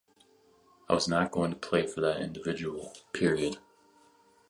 I was not going to play for that individual -- period.